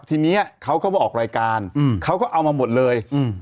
ทีนี้เขาก็ออกรายการเขาก็เอามาหมดเลย